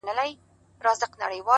لوبي وې ـ